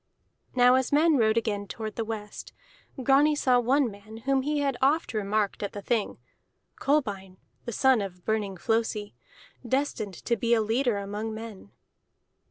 Now as men rode again toward the west, Grani saw one man whom he had oft remarked at the Thing: Kolbein the son of Burning Flosi, destined to be a leader among men.